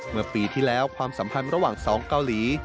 เมื่อปีที่แล้วความสัมพันธ์ระหว่างสองเกาหลี